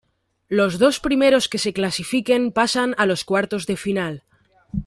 Los dos primeros que se clasifiquen pasan a los cuartos de final.